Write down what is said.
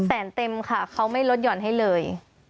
แสนเต็มค่ะเขาไม่ลดหย่อนให้เลย